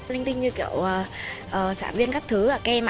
linh tinh như kiểu sản viên các thứ và kem ạ